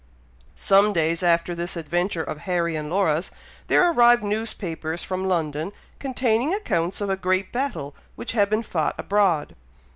Some days after this adventure of Harry and Laura's, there arrived newspapers from London containing accounts of a great battle which had been fought abroad.